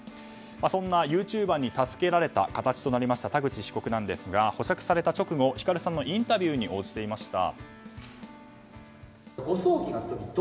そんなユーチューバーに助けられた形となった田口被告ですが保釈された直後ヒカルさんのインタビューに応じていました。